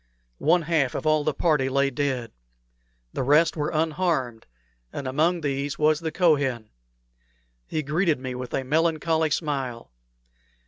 One half of all the party lay dead. The rest were unharmed, and among these was the Kohen. He greeted me with a melancholy smile.